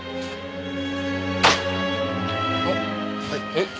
えっ？